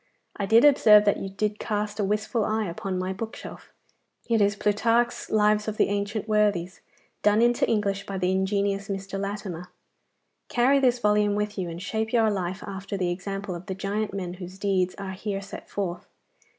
I did observe that you did cast a wistful eye upon my bookshelf. It is Plutarch's lives of the ancient worthies, done into English by the ingenious Mr. Latimer. Carry this volume with you, and shape your life after the example of the giant men whose deeds are here set forth.